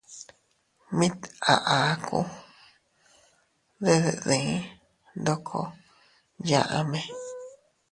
Mit a akuu de deʼe diin ndoko yaʼme.